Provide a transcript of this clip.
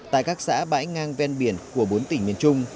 tại các xã bãi ngang ven biển của bốn tỉnh miền trung